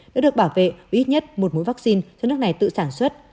đã được bảo vệ với ít nhất một mũi vaccine cho nước này tự sản xuất